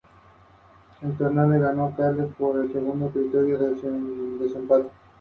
Esto no debe tener manchas o coloraciones.